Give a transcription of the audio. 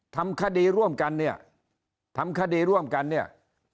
ทำคดีร่วมกันเนี่ยทำคดีร่วมกันเนี่ย